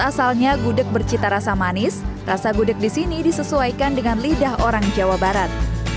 asalnya gudeg bercita rasa manis rasa gudeg di sini disesuaikan dengan lidah orang jawa barat